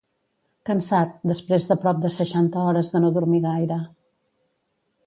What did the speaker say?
Cansat, després de prop de seixanta hores de no dormir gaire